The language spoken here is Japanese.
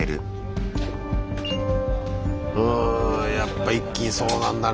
うんやっぱ一気にそうなんだね